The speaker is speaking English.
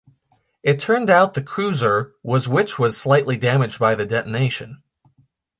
It turned out the cruiser was which was slightly damaged by the detonation.